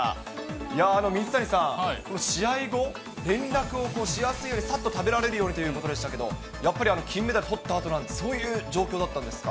いやー、水谷さん、試合後、連絡をしやすいように、さっと食べられるようにということでしたけど、やっぱり金メダルとったあとなんて、そういう状況だったんですか。